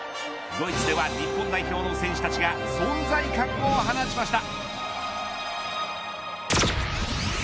ドイツでは日本代表の選手たちが存在感を放ちました。